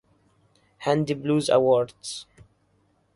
Handy Blues Awards.